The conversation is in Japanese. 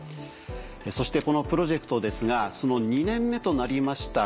そしてこのプロジェクトですが２年目となりました